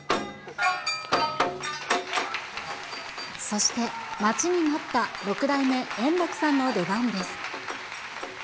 そして、待ちに待った六代目円楽さんの出番です。